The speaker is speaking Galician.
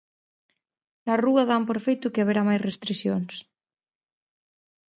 Na rúa dan por feito que haberá máis restricións.